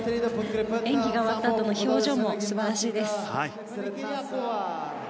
演技が終わったあとの表情も素晴らしいです。